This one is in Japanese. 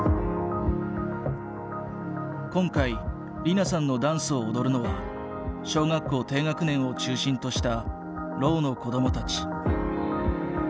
今回莉菜さんのダンスを踊るのは小学校低学年を中心としたろうの子どもたち。